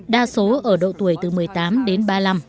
đa số ở độ tuổi từ một mươi tám đến ba mươi năm